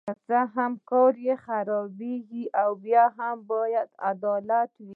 که څه هم کار یې خرابیږي بیا هم باید عدالت وي.